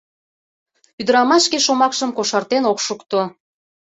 Ӱдырамаш шке шомакшым кошартен ок шукто.